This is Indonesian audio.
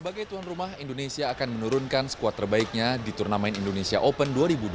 sebagai tuan rumah indonesia akan menurunkan skuad terbaiknya di turnamen indonesia open dua ribu dua puluh